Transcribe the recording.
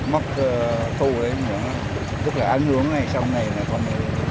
mắc thu đấy rất là án hướng